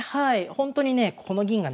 ほんとにねこの銀がね。